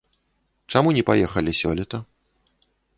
Чаму не паехалі сёлета?